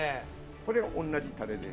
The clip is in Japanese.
これ同じタレです。